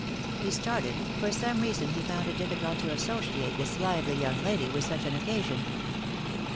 He started; for some reason he found it difficult to associate this lively young lady with such an occasion.